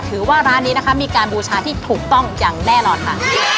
ถือว่าร้านนี้นะคะมีการบูชาที่ถูกต้องอย่างแน่นอนค่ะ